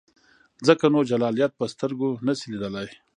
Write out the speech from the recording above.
ځکه نو جلالیت په سترګو نسې لیدلای.